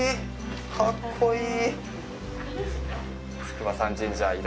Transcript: かっこいい！